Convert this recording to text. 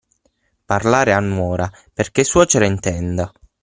Parlare a nuora, perché suocera intenda.